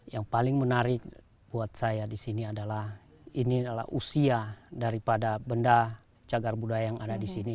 yang paling menarik buat saya di sini adalah ini adalah usia daripada benda cagar budaya yang ada di sini